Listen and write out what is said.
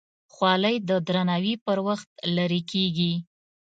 خولۍ د درناوي پر وخت لرې کېږي.